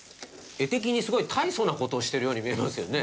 画的にすごい大層な事をしているように見えますよね。